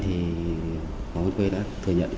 thì hoàng văn khuê đã thừa nhận